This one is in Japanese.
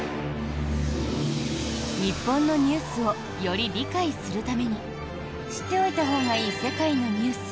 日本のニュースをより理解するために知っておいたほうがいい世界のニュース